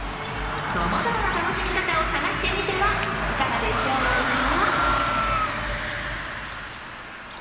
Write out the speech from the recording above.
さまざまな楽しみ方を探してみてはいかがでしょうか。